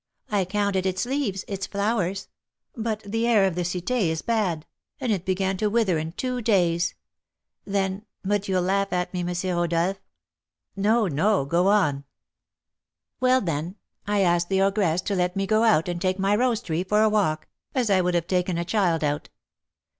I counted its leaves, its flowers; but the air of the Cité is bad, and it began to wither in two days. Then but you'll laugh at me, M. Rodolph." "No, no; go on." "Well, then, I asked the ogress to let me go out, and take my rose tree for a walk, as I would have taken a child out.